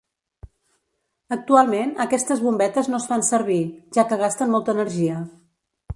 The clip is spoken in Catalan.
Actualment aquestes bombetes no es fan servir, ja que gasten molta energia.